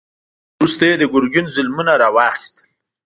وروسته یې د ګرګین ظلمونه را واخیستل.